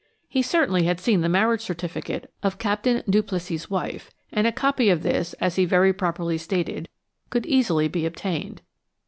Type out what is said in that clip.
He certainly had seen the marriage certificate of Captain Duplessis's wife, and a copy of this, as he very properly stated, could easily be obtained.